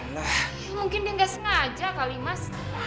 ya mungkin dia gak sengaja kali mas